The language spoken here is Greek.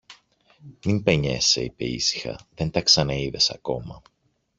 Μην παινιέσαι, είπε ήσυχα, δεν τα ξαναείδες ακόμα.